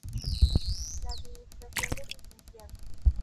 La Administración del Lic.